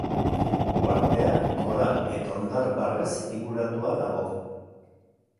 Uhartea koral eta hondar-barrez inguratua dago.